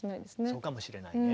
そうかもしれないね。